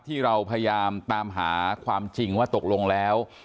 ที่เราพยายามตามหาความจริงว่าตกลงแล้ว